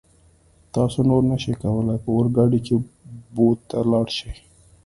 تاسو نور نشئ کولای په اورګاډي کې بو ته لاړ شئ.